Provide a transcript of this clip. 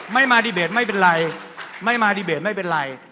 มาดีเบตไม่เป็นไรไม่มาดีเบตไม่เป็นไร